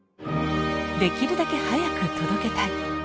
できるだけ早く届けたい。